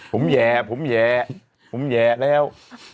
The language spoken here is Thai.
ผมแย่ผมแย่ผมแย่แล้ว